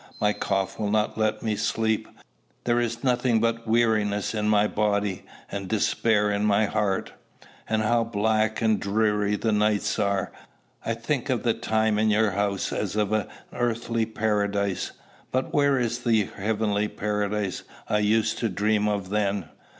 My cough will not let me sleep: there is nothing but weariness in my body, and despair in my heart. Oh how black and dreary the nights are! I think of the time in your house as of an earthly paradise. But where is the heavenly paradise I used to dream of then?"